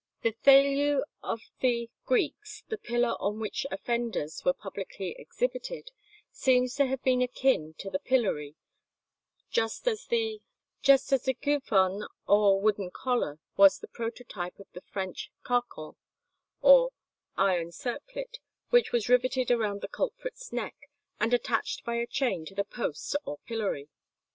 The ετηλη of the Greeks, the pillar on which offenders were publicly exhibited, seems to have been akin to the pillory, just as the κυφων, or wooden collar, was the prototype of the French carcan or iron circlet which was riveted around the culprit's neck, and attached by a chain to the post or pillory.